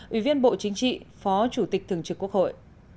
ủy viên bộ chính trị phó chủ tịch thường trực quốc hội